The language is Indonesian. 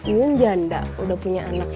umum janda udah punya anak